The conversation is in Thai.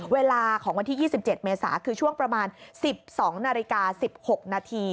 เวลาของวันที่๒๗เมษาคือช่วงประมาณ๑๒นาฬิกา๑๖นาที